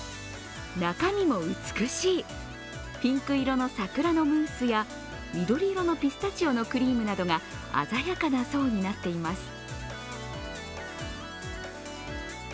中身も美しい、ピンク色の桜のムースや緑色のピスタチオのクリームなどが鮮やかな層になっています。